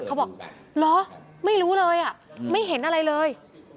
เขาบอกเหรอไม่รู้เลยอ่ะไม่เห็นอะไรเลย